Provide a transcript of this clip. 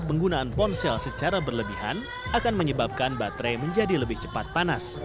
penggunaan ponsel secara berlebihan akan menyebabkan baterai menjadi lebih cepat panas